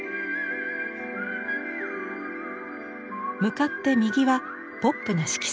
向かって右はポップな色彩。